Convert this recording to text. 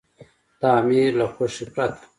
د امیر له خوښې پرته.